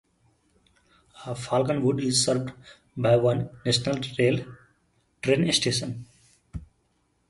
Falconwood is served by one National Rail train station.